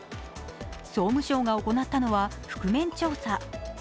総務省が行ったのは覆面調査。